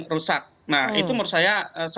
orang dipanggil oleh kpk itu sudah ada beban nama